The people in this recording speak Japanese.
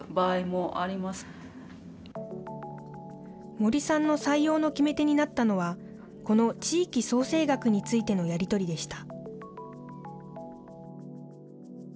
森さんの採用の決め手になったのは、この地域創生学についてのやり取りでした。